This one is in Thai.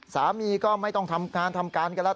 สามีก็ไม่ต้องทำงานทำการกันแล้ว